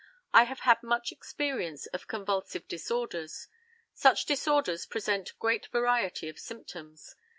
I have had much experience of convulsive disorders. Such disorders present great variety of symptoms.